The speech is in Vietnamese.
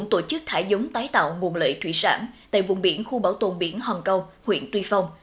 tổ chức thả xuống hồ thủy lợi thủy sản tại vùng biển khu bảo tồn biển hòn câu huyện tuy phong